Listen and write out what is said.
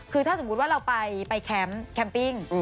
คือถ้าสมมุติว่าเราไปแคมป์